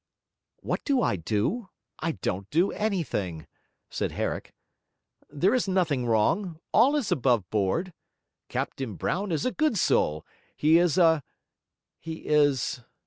'What do I do? I don't do anything,' said Herrick. 'There is nothing wrong; all is above board; Captain Brown is a good soul; he is a... he is...'